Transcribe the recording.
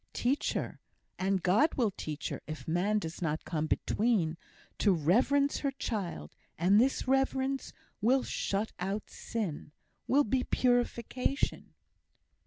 Teach her (and God will teach her, if man does not come between) to reverence her child; and this reverence will shut out sin, will be purification."